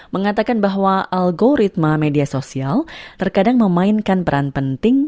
mengatakan bahwa algoritma media sosial terkadang memainkan peran penting